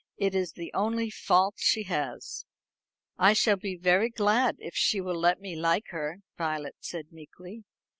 It is the only fault she has." "I shall be very glad if she will let me like her," Violet said meekly.